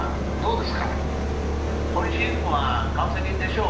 今シーズンは川崎でしょう。